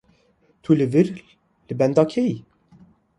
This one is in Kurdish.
Tu li vir li benda kê yî?